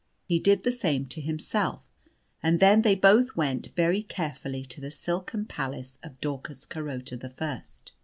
He did the same to himself, and then they both went very carefully to the silken palace of Daucus Carota the First.